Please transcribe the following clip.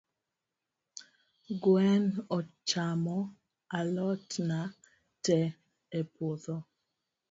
Gwen ochamo alotna tee epuodho.